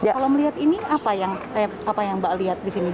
kalau melihat ini apa yang mbak lihat di sini